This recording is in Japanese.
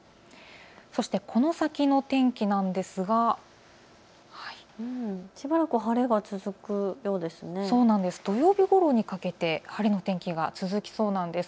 そしてこの先の天気なんですが土曜日ごろにかけて晴れの天気が続きそうなんです。